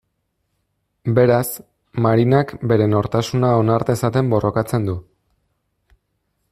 Beraz, Marinak bere nortasuna onar dezaten borrokatzen du.